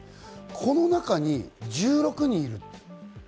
この中に１６人いる。